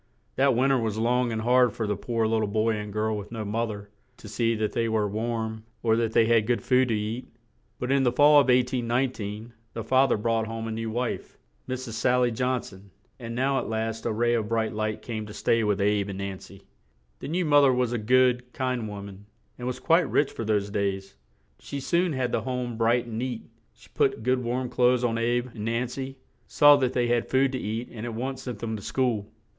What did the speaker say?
That win ter was long and hard for the poor lit tle boy and girl with no moth er to see that they were warm, or that they had good food to eat; but in the fall of 1819, the fa ther brought home a new wife, Mrs. Sal ly John son and now at last a ray of bright light came to stay with "Abe" and Nan cy. The new moth er was a good, kind wo man, and was quite rich for those days. She soon had the home bright and neat; she put good warm clothes on "Abe" and Nan cy; saw that they had food to eat and at once sent them to school.